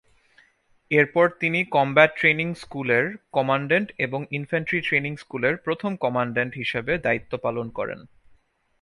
এরপর তিনি combat training স্কুলের কমান্ড্যান্ট এবং ইনফ্যান্ট্রি ট্রেনিং স্কুলের প্রথম কমান্ড্যান্ট হিসেবে দায়িত্ব পালন করেন।